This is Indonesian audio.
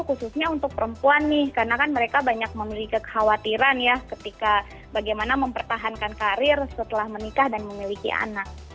khususnya untuk perempuan nih karena kan mereka banyak memiliki kekhawatiran ya ketika bagaimana mempertahankan karir setelah menikah dan memiliki anak